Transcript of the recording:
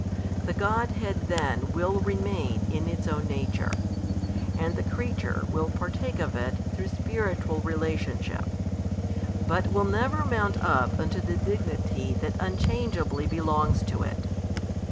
The Godhead then will remain in Its Own Nature, and the creature will partake of It through spiritual relationship, but will never mount up unto the Dignity that unchangeably belongs to It.